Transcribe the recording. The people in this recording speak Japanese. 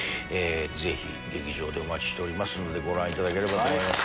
ぜひ劇場でお待ちしておりますご覧いただければと思います。